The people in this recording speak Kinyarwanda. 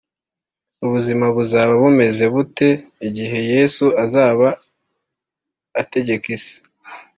Ubuzima buzaba bumeze bute igihe yesu azaba ategeka isi